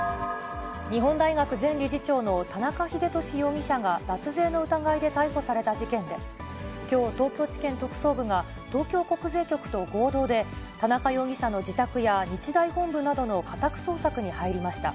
日本大学前理事長の田中英壽容疑者が、脱税の疑いで逮捕された事件で、きょう東京地検特捜部が東京国税局と合同で、田中容疑者の自宅や日大本部などの家宅捜索に入りました。